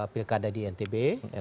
pilkada di ntb